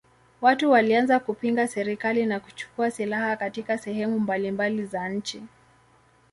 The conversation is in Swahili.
Watu walianza kupinga serikali na kuchukua silaha katika sehemu mbalimbali za nchi.